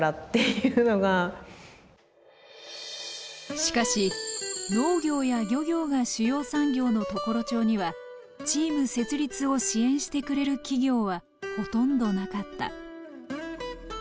しかし農業や漁業が主要産業の常呂町にはチーム設立を支援してくれる企業はほとんどなかった。